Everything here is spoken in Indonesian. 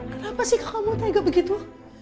kenapa sih kakak muta juga begitu